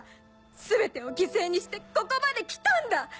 全てを犠牲にしてここまで来たんだ！